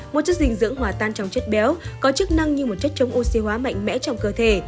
một chất dinh dưỡng hòa tan trong chất béo có chức năng như một chất chống oxy hóa mạnh mẽ trong cơ thể